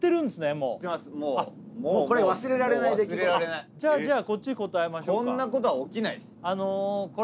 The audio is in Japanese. もうもうじゃじゃこっち答えましょうかこんなことは起きないです